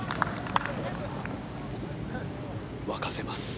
沸かせます。